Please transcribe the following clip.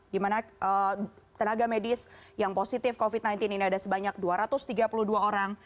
di mana tenaga medis yang positif covid sembilan belas ini ada sebanyak dua ratus tiga puluh dua orang